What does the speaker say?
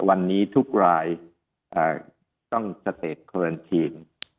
วันนี้ทุกรายต้องสเตจโครันทีน